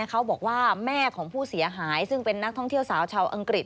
เขาบอกว่าแม่ของผู้เสียหายซึ่งเป็นนักท่องเที่ยวสาวชาวอังกฤษ